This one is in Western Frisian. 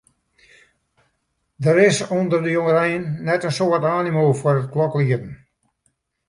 Der is ûnder de jongerein net in soad animo foar it kloklieden.